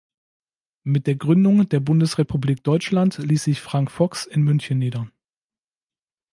Mit der Gründung der Bundesrepublik Deutschland ließ sich Frank Fox in München nieder.